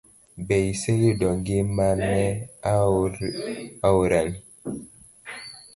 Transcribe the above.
Be iseyudo gimane aoroni?